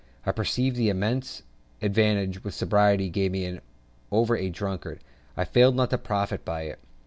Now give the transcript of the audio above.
I perceived the immense advantage which sobriety gave me over a drunkard, and I failed not to profit by it.